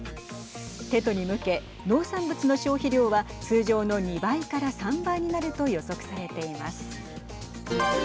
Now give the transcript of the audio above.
テトに向け、農産物の消費量は通常の２倍から３倍になると予測されています。